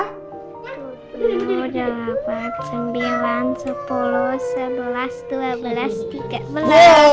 tujuh delapan sembilan sepuluh sedulas dua belas tiga belas